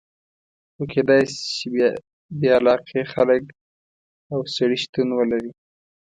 خو کېدای شي چې بې علاقې خلک او سړي شتون ولري.